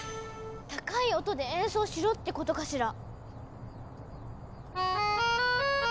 高い音で演奏しろってことかしら？